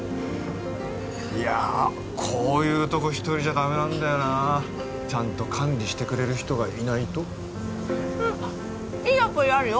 いやこういうとこ一人じゃダメなんだよなあちゃんと管理してくれる人がいないとうんっいいアプリあるよ